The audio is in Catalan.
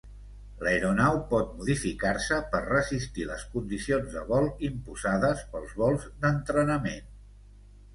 L'aeronau pot modificar-se per resistir les condicions de vol imposades pels vols d'entrenament.